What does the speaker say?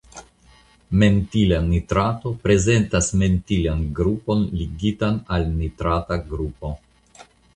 Mentila nitrato prezentas mentilan grupon ligitan al nitrata grupo.